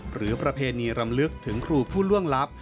ประเพณีรำลึกถึงครูผู้ล่วงลับ